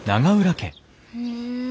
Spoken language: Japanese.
へえ